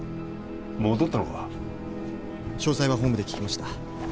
戻ったのか詳細は本部で聞きました